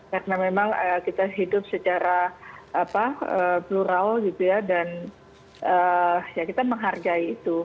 karena memang kita hidup secara plural gitu ya dan kita menghargai itu